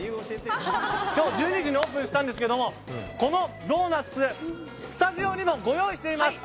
今日、１２時にオープンしたんですけどもこのドーナツスタジオにもご用意しています。